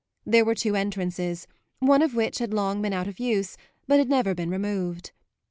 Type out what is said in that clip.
There were two entrances, one of which had long been out of use but had never been removed.